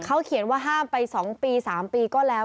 เขาเขียนว่าห้ามไป๒ปี๓ปีก็แล้ว